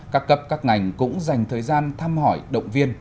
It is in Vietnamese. các cấp các ngành cũng dành thời gian thăm hỏi động viên